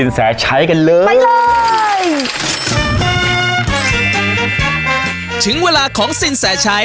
คนที่คิดกำลังเปิดร้านหรืออยากทำธุรกิจ